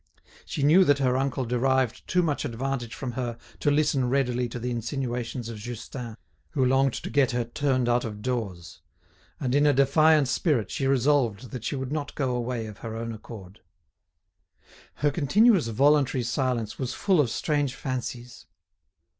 She knew that her uncle derived too much advantage from her to listen readily to the insinuations of Justin, who longed to get her turned out of doors. And in a defiant spirit she resolved that she would not go away of her own accord. Her continuous voluntary silence was full of strange fancies.